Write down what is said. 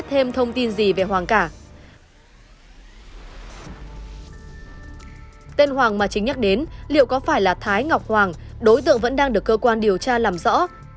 tên hoàng mà chính nhắc đến liệu có phải là thái ngọc hoàng đối tượng vẫn đang được cơ quan điều tra làm rõ